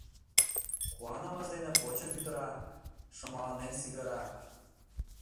Куанымыж дене почым пӱтыра, шымаланен сигыра.